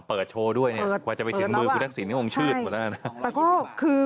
เปิดโชว์ด้วยกว่าจะไปถึงมือพุทธศิลป์ชื่นกับองค์ชื่น